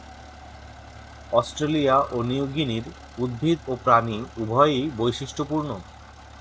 Australia ও নিউ গিনির উদ্ভিদ ও প্রাণী উভয়ই বৈশিষ্ট্যপূর্ণ।